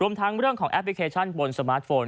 รวมทางเรื่องของแอปบิเคชันส์โพลส์บนสมาร์ทโฟน